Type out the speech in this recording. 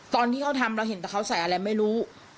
ตอนที่เขาทำเราเห็นแต่เขาใส่อะไรไม่รู้